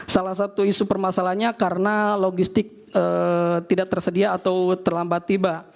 salah satu isu permasalahannya karena logistik tidak tersedia atau terlambat tiba